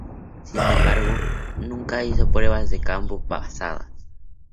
Sin embargo, nunca hizo pruebas de campo pasadas.